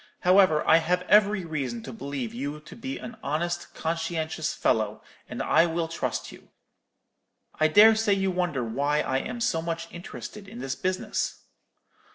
'However, I have every reason to believe you to be an honest, conscientious fellow, and I will trust you. I dare say you wonder why I am so much interested in this business?'